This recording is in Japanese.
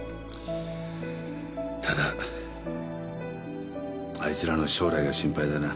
ただあいつらの将来が心配だな。